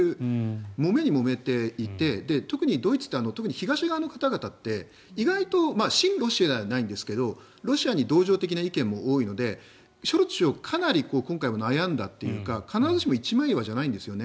もめにもめていて特にドイツって特に東側の方々って意外と親ロシアじゃないんですけどロシアに同情的な意見も多いのでショルツ首相は今回はかなり悩んだというか必ずしも一枚岩じゃないんですね